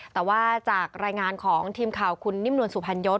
แต่ว่าจากรายงานของทีมข่าวคุณนิ่มนวลสุพรรณยศ